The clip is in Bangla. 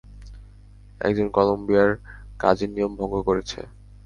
একজন কলম্বিয়ার কাজের নিয়ম ভঙ্গ করেছে।